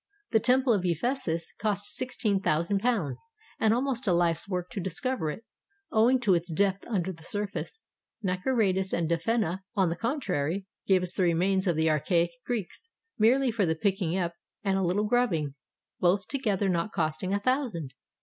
The Temple of Ephesus cost sixteen thousand pounds, and almost a Hfe's work to discover it, owing to its depth imder the surface. Naukratis and Defenneh, on the con trary, gave us the remains of the archaic Greeks, merely for the picking up and a Uttle grubbing, both together not costing a thousand.